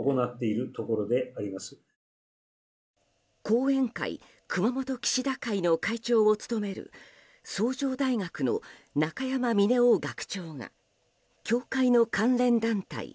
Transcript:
後援会熊本岸田会の会長を務める崇城大学の中山峰男学長が教会の関連団体